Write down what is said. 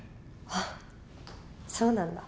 あっそうなんだ。